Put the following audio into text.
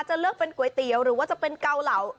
เลือกเป็นก๋วยเตี๋ยวหรือว่าจะเป็นเกาเหลา